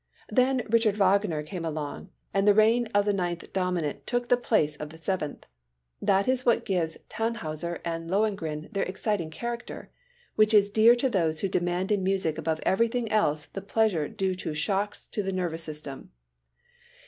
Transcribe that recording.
Then Richard Wagner came along and the reign of the ninth dominant took the place of the seventh. That is what gives Tannhauser, and Lohengrin their exciting character, which is dear to those who demand in music above everything else the pleasure due to shocks to the nervous system.